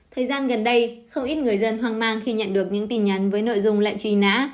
thời gian gần đây không ít người dân hoang mang khi nhận được những tin nhắn với nội dung lệnh truy nã